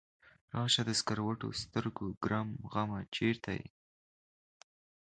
راشه د سکروټو سترګو ګرم غمه چرته یې؟